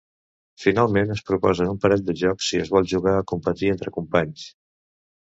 Finalment, es proposen un parell de jocs si es vol jugar a competir entre companys.